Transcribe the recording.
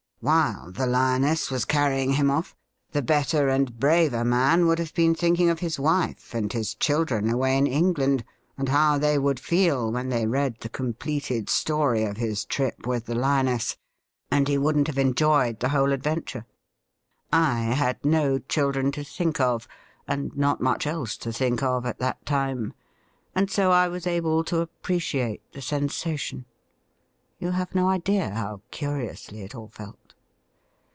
While the lioness was carrying him off, the better and 140 THE RIDDLE RING braver man would have been thinking of his wife and his children away in England, and how they would feel when they read the completed story of his trip with the lioness, and he wouldn't have enjoyed the whole adventure. I had no children to think of, and not much else to think of at that time, and so I was able to appreciate the sensation. You have no idea how curiously it all felt.'